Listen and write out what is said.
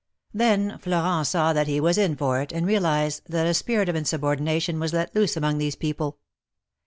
Then Florent saw that he was in for it, and realized that a spirit of insubordination was let loose among these people.